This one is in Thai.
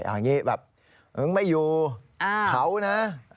อย่างนี้แบบมึงไม่อยู่เผานะ